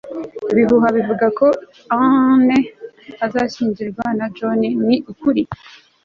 ibihuha bivuga ko anne azashyingiranwa na john ni ukuri